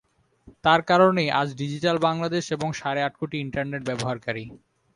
তাঁর কারণেই আজ ডিজিটাল বাংলাদেশ এবং সাড়ে আট কোটি ইন্টারনেট ব্যবহারকারী।